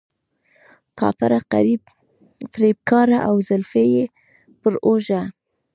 کافره، فریب کاره او زلفې یې پر اوږه.